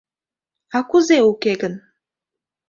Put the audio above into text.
— А кузе уке гын!